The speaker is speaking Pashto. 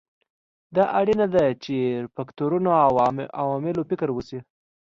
دا اړینه ده چې پر فکټورونو او عواملو فکر وشي.